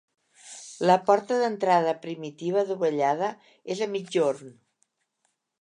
La porta d'entrada primitiva, dovellada, és a migjorn.